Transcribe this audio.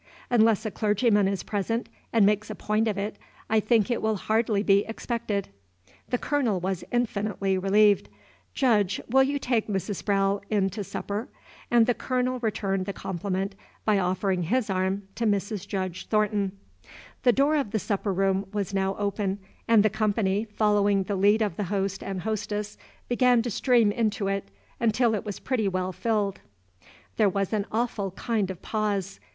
Unless a clergyman is present and makes a point of it, I think it will hardly be expected." The Colonel was infinitely relieved. "Judge, will you take Mrs. Sprowle in to supper?" And the Colonel returned the compliment by offering his arm to Mrs. Judge Thornton. The door of the supper room was now open, and the company, following the lead of the host and hostess, began to stream into it, until it was pretty well filled. There was an awful kind of pause.